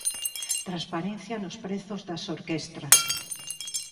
Transparencia nos prezos das orquestras.